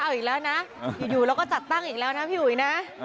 เอาอีกแล้วนะอยู่เราก็จัดตั้งอีกแล้วนะพี่อุ๋ยนะ